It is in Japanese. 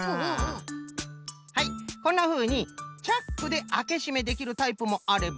はいこんなふうにチャックであけしめできるタイプもあれば。